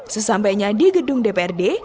sesampainya di gedung dprd